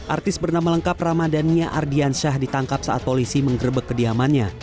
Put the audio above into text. artis bernama lengkap ramadhani nia ardi ansyah ditangkap saat polisi menggerbek kediamannya